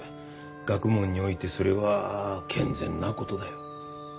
学問においてそれは健全なことだよ。